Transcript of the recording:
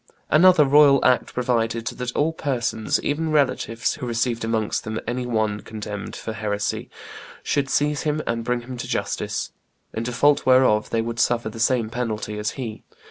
Another royal act provided that all persons, even relatives, who received amongst them any one condemned for heresy should seize him and bring him to justice, in default whereof they would suffer the same penalty as he.